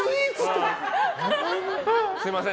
すみません！